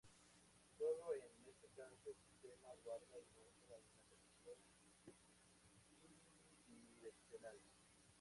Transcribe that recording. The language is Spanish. Sólo en este caso, el sistema guarda y muestra una conexión bidireccional.